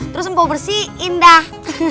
terus mpo bersihin dah